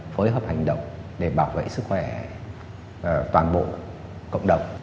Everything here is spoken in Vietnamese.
phối hợp hành động để bảo vệ sức khỏe toàn bộ cộng đồng